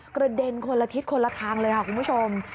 กระเด็นคนละทิศคนละทางเลยค่ะคุณผู้ชม